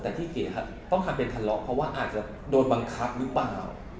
แต่ที่เก๋ต้องทำเป็นทะเลาะเพราะว่าอาจจะโดนบังคับหรือเปล่า